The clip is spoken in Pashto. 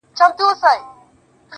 • ستا سترگو كي بيا مرۍ، مرۍ اوښـكي.